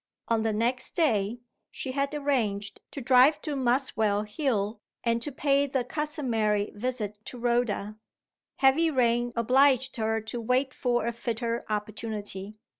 On the next day, she had arranged to drive to Muswell Hill, and to pay the customary visit to Rhoda. Heavy rain obliged her to wait for a fitter opportunity.